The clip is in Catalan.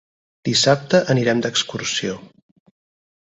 Dissabte anirem d'excursió.